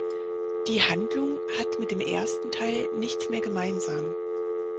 Die Handlung hat mit dem ersten Teil nichts mehr gemeinsam.